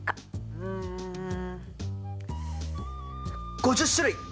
うん５０種類！